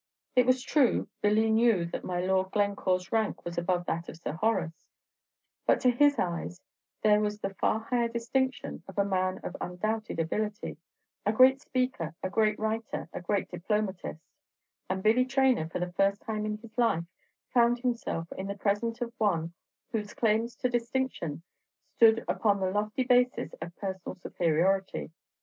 It was true, Billy knew that my Lord Glencore's rank was above that of Sir Horace, but to his eyes there was the far higher distinction of a man of undoubted ability, a great speaker, a great writer, a great diplomatist; and Billy Traynor, for the first time in his life, found himself in the presence of one whose claims to distinction stood upon the lofty basis of personal superiority.